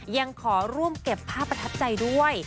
ยังขอร่วมเก็บภาพประทับใจด้วย